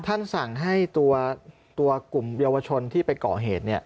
ท่านสั่งให้ตัวกลุ่มเยาวชนที่ไปก่อเหตุ